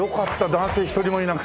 男性一人もいなくて。